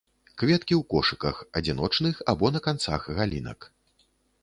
Кветкі ў кошыках, адзіночных, або на канцах галінак.